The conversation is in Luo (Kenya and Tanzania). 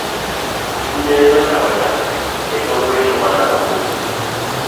Chunye nochako chandore kendo gwecho mana ka bul.